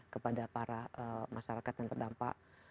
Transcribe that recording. kepada para masyarakat yang terdampak